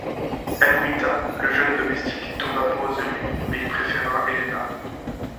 Aniouta, la jeune domestique, tombe amoureuse de lui, mais il préfère Elena.